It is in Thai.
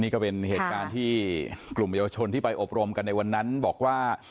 นี่ก็เป็นเหตุการณ์ที่กลุ่มเยาวชนที่ไปอบรมกันในวันนั้นบอกว่า